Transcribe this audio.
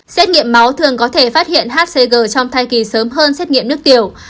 xét nghiệm máu thường có thể phát hiện hcg trong thai kỳ sớm hơn xét nghiệm nước tiểu